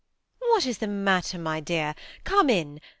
*' What is the matter, my dear, come in.